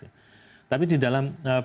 tapi di dalam pengelolaan atau restorasi